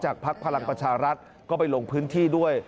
จากภักดิ์พลังประชารักษณ์ก็ไปลงพื้นที่ด้วย